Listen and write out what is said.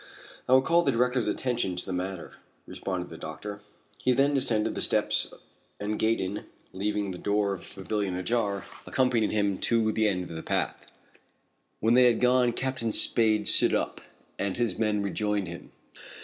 "I will call the director's attention to the matter," responded the doctor. He then descended the steps and Gaydon, leaving the door of the pavilion ajar, accompanied him to the end of the path. When they had gone Captain Spade stood up, and his men rejoined him.